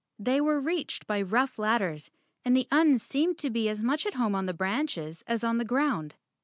They were reached by rough ladders and the Uns seemed to be as much at home on the branches as on the ground.